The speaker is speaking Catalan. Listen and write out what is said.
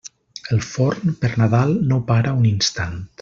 El forn, per Nadal, no para un instant.